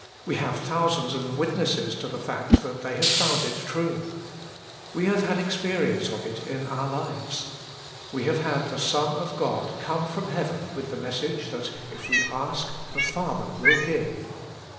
We have thousands of witnesses to the fact that they have found it true. We have had experience of it in our lives. We have had the Son of God come from heaven with the message MY GOD WILL HEAR ME 145 that if we ask, the Father will give.